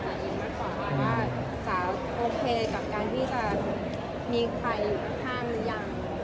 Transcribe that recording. ผมคิดว่าสาวก็โอเคกับการที่จะมีใครค่าขึ้นอย่าง